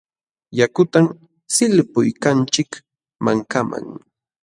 Yakutam sillpuykanchik mankaman.